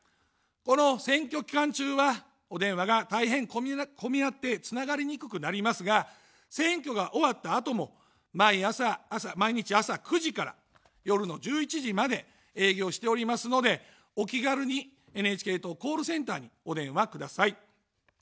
この選挙期間中は、お電話が大変混み合ってつながりにくくなりますが、選挙が終わったあとも毎日朝９時から夜の１１時まで営業しておりますので、お気軽にＮＨＫ党コールセンターにお電話ください。